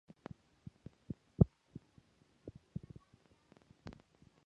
Cochrane is located within the provincial electoral division of Banff-Cochrane.